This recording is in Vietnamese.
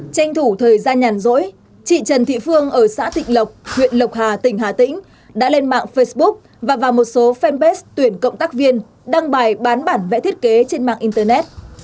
tranh thủ thời gian nhàn rỗi chị trần thị phương ở xã thịnh lộc huyện lộc hà tỉnh hà tĩnh đã lên mạng facebook và vào một số fanpage tuyển cộng tác viên đăng bài bán bản vẽ thiết kế trên mạng internet